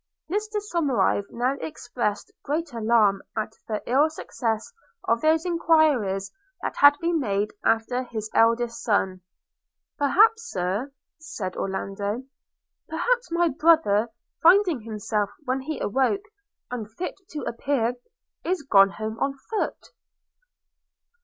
Mr Somerive now expressed great alarm at the ill success of those inquiries that had been made after his eldest son. 'Perhaps, Sir,' said Orlando – 'perhaps my brother, finding himself, when he awoke, unfit to appear, is gone home on foot.'